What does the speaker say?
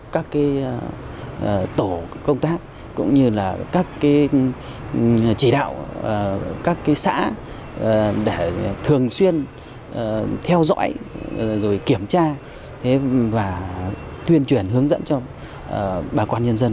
các tổ công tác cũng như là các chỉ đạo các xã để thường xuyên theo dõi rồi kiểm tra và tuyên truyền hướng dẫn cho bà con nhân dân